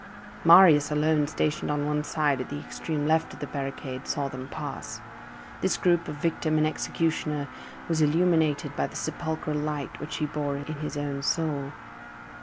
Marius alone, stationed on one side, at the extreme left of the barricade, saw them pass. This group of victim and executioner was illuminated by the sepulchral light which he bore in his own soul.